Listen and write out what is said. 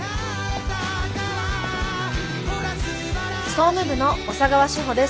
総務部の小佐川志穂です。